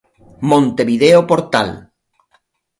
Montevideo Portal